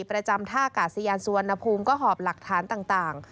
ประจำท่าครามสิอาณส่วนอภูมิก้อหอบหลักฐานต่าง